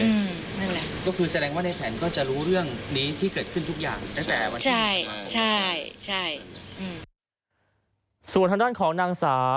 นั่นแหละก็คือแสดงว่าในแผนก็จะรู้เรื่องนี้ที่เกิดขึ้นทุกอย่างตั้งแต่วันที่ใช่ใช่อืมส่วนทางด้านของนางสาว